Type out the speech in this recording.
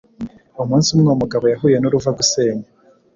Umunsi umwe uwo mugabo yahuye n’uruvagusenya